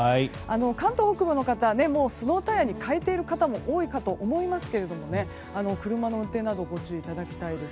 関東北部の方はスノータイヤに変えている方も多いかと思いますが車の運転などご注意いただきたいと思います。